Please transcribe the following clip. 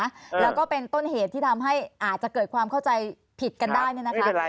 แล้วก็เป็นต้นเหตุที่ทำให้อาจจะเกิดความเข้าใจผิดกันได้เนี่ยนะคะ